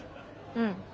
うん。